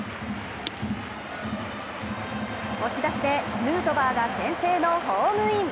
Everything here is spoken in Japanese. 押し出しでヌートバーが先制のホームイン。